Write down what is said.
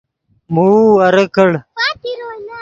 موؤ ورے کڑ